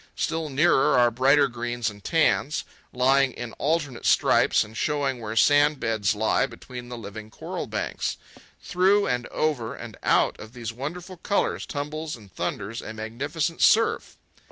Still nearer are brighter greens and tans, lying in alternate stripes and showing where sandbeds lie between the living coral banks. Through and over and out of these wonderful colours tumbles and thunders a magnificent surf.